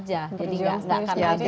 jadi nggak akan ada